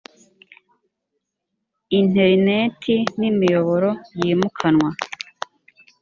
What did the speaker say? interineti n’ imiyoboro yimukanwa